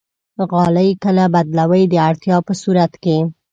غالۍ کله بدلوئ؟ د اړتیا په صورت کې